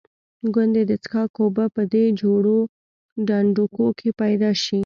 ګوندې د څښاک اوبه په دې جوړو ډنډوکو کې پیدا شي.